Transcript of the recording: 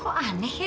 kok aneh ya